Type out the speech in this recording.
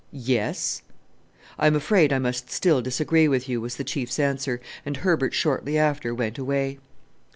"Yes." "I am afraid I must still disagree with you," was the Chief's answer, and Herbert shortly after went away.